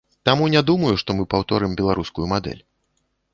Таму не думаю, што мы паўторым беларускую мадэль.